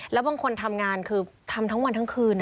แล้วบางคนทำงานคือทำทั้งวันทั้งคืน